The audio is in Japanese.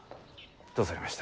どうされました？